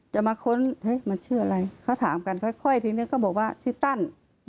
จะมาค้นเฮ้ยมันชื่ออะไรเขาถามกันค่อยทีนี้ก็บอกว่าชื่อตัน